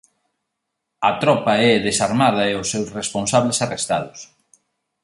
A tropa é desarmada e os seus responsables arrestados.